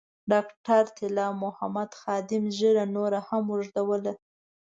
ډاکټر طلا محمد خادم ږیره نوره هم اوږدوله.